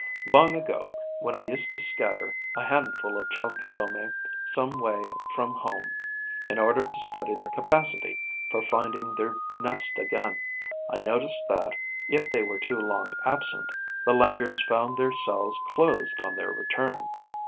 Long ago, when I used to scatter a handful of Chalicodomae some way from home, in order to study their capacity for finding their nest again, I noticed that, if they were too long absent, the laggards found their cells closed on their return.